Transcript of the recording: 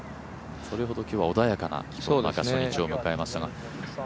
それほど今日は穏やかな初日を迎えましたが。